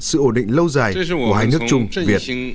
sự ổn định lâu dài của hai nước trung việt